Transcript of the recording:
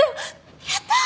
やったー！